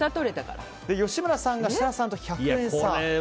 吉村さんが設楽さんと１００円差。